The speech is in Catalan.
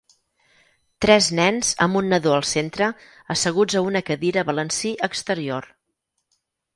Tres nens, amb un nadó al centre, asseguts a una cadira balancí exterior.